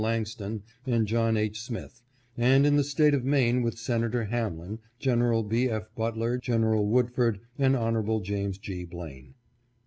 Langston and John H. Smyth, and in the State of Maine with Senator Hamlin, Gen. B. F. Butler, Gen. Woodford, and Hon. James G. Blaine.